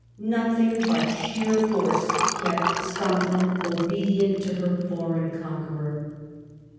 Nothing but sheer force kept Scotland obedient to her foreign conqueror.